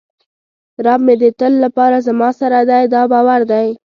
رب مې د تل لپاره زما سره دی دا باور دی.